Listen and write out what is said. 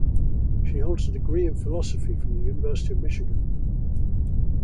She holds a degree in Philosophy from the University of Michigan.